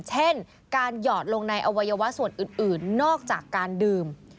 เช่นการหยอดลงในอวัยวะส่วนอื่นนอกจากการดื่ม